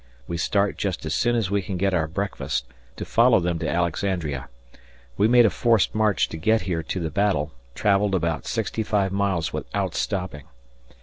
We start just as soon as we can get our breakfast to follow them to Alexandria. We made a forced march to get here to the battle travelled about 65 miles without stopping.